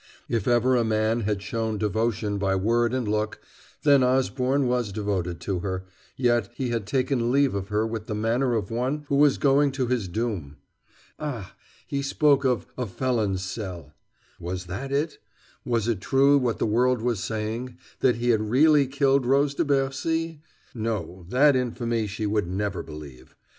If ever a man had shown devotion by word and look, then Osborne was devoted to her, yet he had taken leave of her with the manner of one who was going to his doom. Ah, he spoke of "a felon's cell." Was that it? Was it true what the world was saying that he had really killed Rose de Bercy? No, that infamy she would never believe.